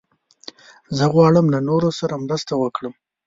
زه غواړم له نورو سره مرسته وکړم.